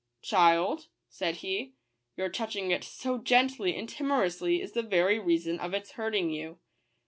" Child," said he, " your touching it so gently and timorously is the very reason of its hurting you.